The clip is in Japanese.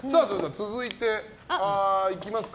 続いていきますか。